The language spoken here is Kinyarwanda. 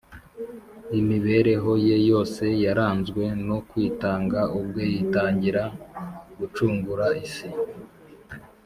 imibereho ye yose yaranzwe no kwitanga ubwe yitangira gucungura isi